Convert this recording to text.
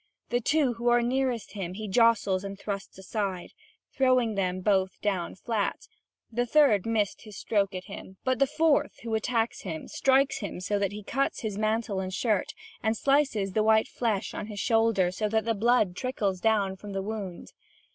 The two who are nearest him he jostles and thrusts aside, throwing them both down flat; the third missed his stroke at him, but the fourth, who attacked him, strikes him so that he cuts his mantle and shirt, and slices the white flesh on his shoulder so that the blood trickles down from the wound.